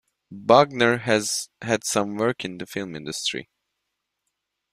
Bugner has had some work in the film industry.